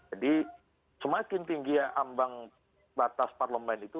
jadi semakin tinggi ya ambang batas parlamen itu